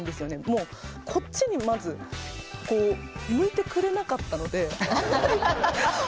もうこっちにまずこう向いてくれなかったので。